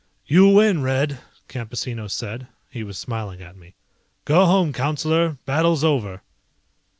"You win, Red," Campesino said. He was smiling at me. "Go home, Councillor, battle's over."